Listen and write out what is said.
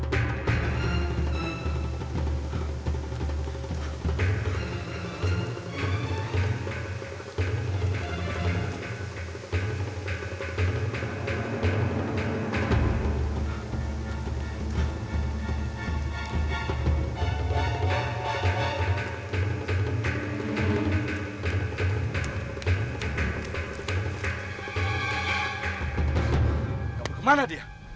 kamu kemana dia